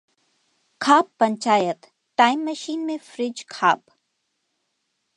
खाप Panchayat: time machine में freeze खाप